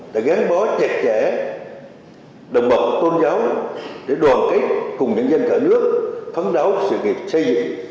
đã gắn bó chặt chẽ đồng bộ tôn giáo để đoàn kết cùng nhân dân cả nước phán đáo sự nghiệp xây dựng